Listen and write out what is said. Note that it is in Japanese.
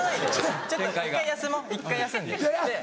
ちょっと１回休もう。